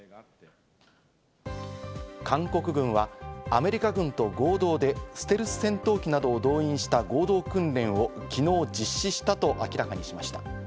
韓国軍はアメリカ軍と合同でステルス戦闘機などを動員した合同訓練を昨日実施したと明らかにしました。